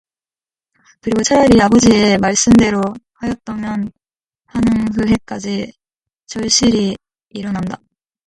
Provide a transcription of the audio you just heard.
그리고 차라리 아버지의 말씀대로 하였더면 하는 후회까지 절실히 일어난다.